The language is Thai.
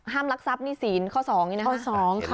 ห้ามรักทรัพย์นี่ศีลข้อสองเนี่ยนะคะข้อสองค่ะ